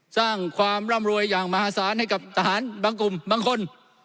สร้างความร่ำรวยอย่างมหาศาลให้กับทหารบางกลุ่มบางคน